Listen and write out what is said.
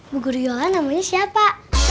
bukur yola namanya siapa